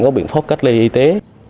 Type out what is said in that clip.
các bệnh pháp cách lấy y tế